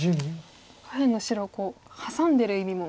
下辺の白をハサんでる意味も。